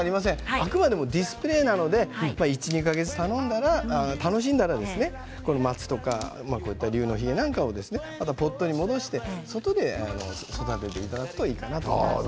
あくまでもディスプレーなので１、２か月、楽しんだら松とかまたポットに戻して外で育てていただくといいかなと思います。